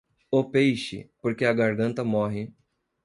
O peixe, porque a garganta morre.